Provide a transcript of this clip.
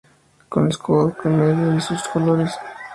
Con el escudo en medio, y en sus colores.